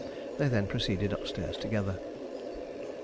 They then proceeded upstairs together.